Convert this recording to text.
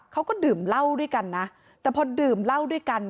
เขาก็ดื่มเหล้าด้วยกันนะแต่พอดื่มเหล้าด้วยกัน